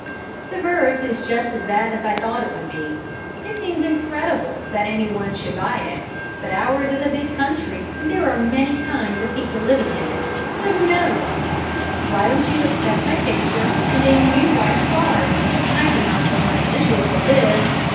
The verse is just as bad as I thought it would be. It seems incredible that any one should buy it, but ours is a big country and there are many kinds of people living in it, so who knows? Why don't you accept my picture and then you write the card? I could not put my initials on this!